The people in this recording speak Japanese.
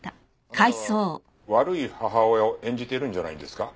あなたは悪い母親を演じているんじゃないんですか？